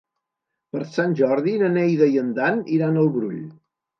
Per Sant Jordi na Neida i en Dan iran al Brull.